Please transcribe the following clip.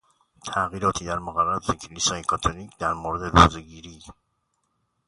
تغییراتی در مقررات کلیسای کاتولیک در مورد روزهگیری